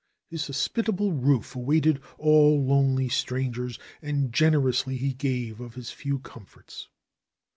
His hospitable roof awaited all lonely strangers and generously he gave of his few comforts.